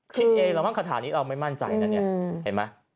คิดเองแล้วมั้งคาถานี้เราไม่มั่นใจนะเนี่ยเห็นไหม